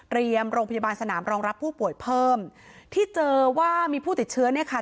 โรงพยาบาลสนามรองรับผู้ป่วยเพิ่มที่เจอว่ามีผู้ติดเชื้อเนี่ยค่ะ